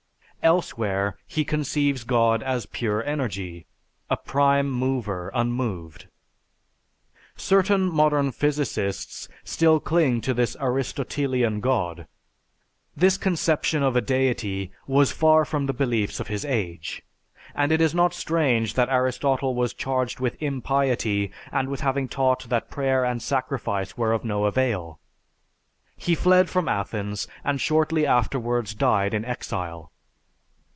Elsewhere, he conceives God as pure energy; a prime mover unmoved. Certain modern physicists still cling to this Aristotelian god. This conception of a deity was far from the beliefs of his age, and it is not strange that Aristotle was charged with impiety and with having taught that prayer and sacrifice were of no avail. He fled from Athens and shortly afterwards died in exile.